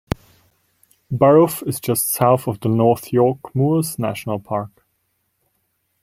Barugh is just south of the North York Moors National Park.